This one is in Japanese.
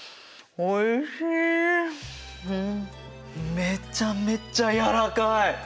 めちゃめちゃ柔らかい！